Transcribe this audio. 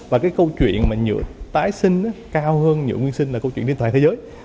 và cái câu chuyện mà nhựa tái sinh cao hơn nhựa nguyên sinh là câu chuyện điện thoại thế giới